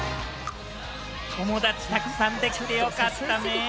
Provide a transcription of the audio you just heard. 友達たくさんできてよかったね。